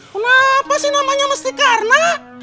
kenapa sih namanya mesti karena